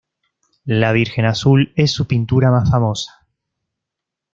La "Virgen Azul" es su pintura más famosa.